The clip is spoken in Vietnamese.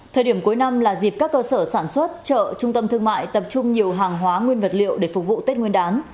thời điểm cuối năm là dịp các cơ sở sản xuất chợ trung tâm thương mại tập trung nhiều hàng hóa nguyên vật liệu để phục vụ tết nguyên đán